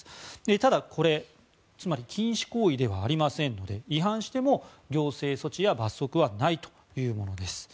ただ、これつまり禁止行為ではありませんので違反しても行政措置や罰則はないというものです。